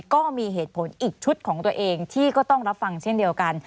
ก็มีเหตุผลอีกชุดของตัวเองที่ก็ต้องรับฟังเช่นเดียวกัน